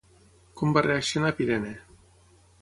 Com va reaccionar Pirene?